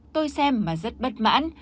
tôi xem mà rất bất mạng